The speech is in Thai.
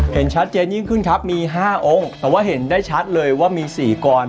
เห็นชัดเจนยิ่งขึ้นครับมี๕องค์แต่ว่าเห็นได้ชัดเลยว่ามี๔กร